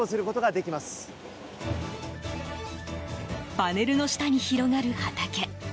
パネルの下に広がる畑。